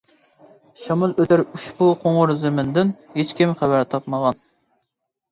شامال ئۆتەر ئۇشبۇ قوڭۇر زېمىندىن، ھېچكىم خەۋەر تاپمىغان.